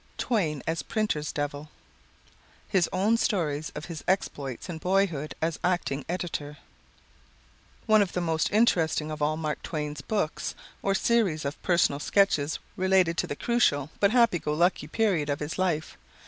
Twain as Printer's Devil His Own Stories of His Exploits in Boyhood as Acting Editor One of the most interesting of all Mark Twain's books or series of personal sketches relate to the crucial, but happy go lucky period of his life.